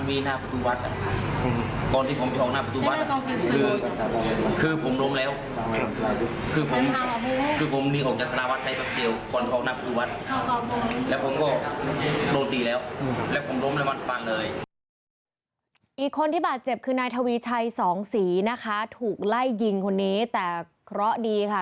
อีกคนที่บาดเจ็บคือนายทวีชัยสองศรีนะคะถูกไล่ยิงคนนี้แต่เคราะห์ดีค่ะ